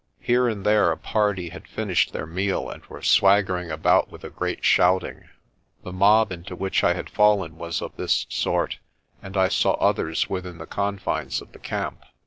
Here and there a party had finished their meal and were swaggering about with a great shouting. The mob into which I had fallen was of this sort and I saw others within the confines of the camp.